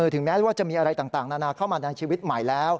ถึงแม้ว่าจะมีอะไรต่างนานาเข้ามาในชีวิตใหม่แล้ว